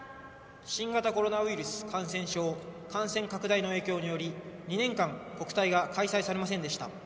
新型コロナウイルス感染症の感染拡大の影響により２年間国体が開催されませんでした。